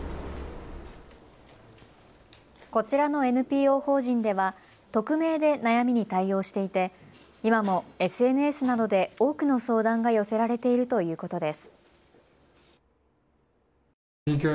こちらのＮＰＯ法人では匿名で悩みに対応していて今もＳＮＳなどで多くの相談が寄せられているということです。